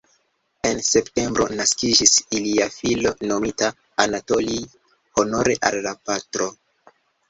En septembro naskiĝis ilia filo nomita Anatolij, honore al la patro.